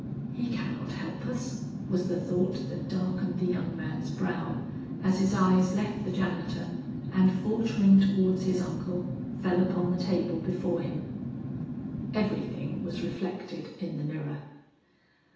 "He cannot help us," was the thought that darkened the young man's brow as his eyes left the janitor, and faltering towards his uncle, fell upon the table before him. Everything was reflected in the mirror.